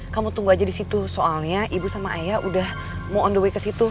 kamu tunggu aja disitu soalnya ibu sama ayah udah mau on the way kesitu